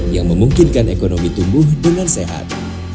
yang memungkinkan ekonomi tumbuh dengan sehat